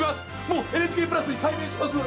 もうＮＨＫプラスに改名します！